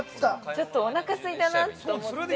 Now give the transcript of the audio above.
◆ちょっとおなかすいたなと思って。